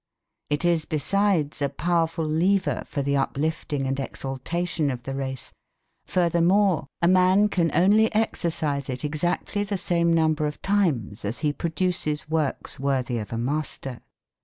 It is besides a powerful lever for the uplifting and exaltation of the race. Futhermore a man can only exercise it exactly the same number of times as he produces works worthy of a master.